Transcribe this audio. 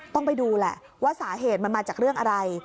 ต้องไปดูแหละว่าสาเหตุมันมาจากเรื่องอะไร